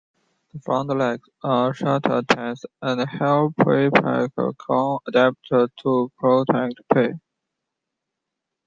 The front legs are shortest and have preapical claws adapted to puncture prey.